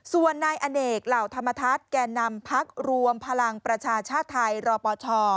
ส่วนนายอเนกเหล่าธรรมทัศน์แก่นำพักรวมพลังประชาชาติไทยรปช